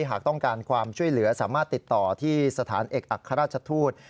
หากต้องการความช่วยเหลือสามารถติดต่อที่สถานเอกอัครราชทูต